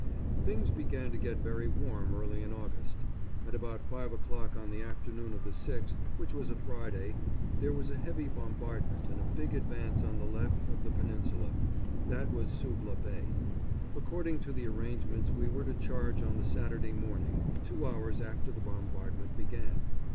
Things began to get very warm early in August. At about five o'clock on the afternoon of the 6th, which was a Friday, there was a heavy bombardment and a big advance on the left of the Peninsula that was Suvla Bay. According to the arrangements we were to charge on the Saturday morning, two hours after the bombardment began.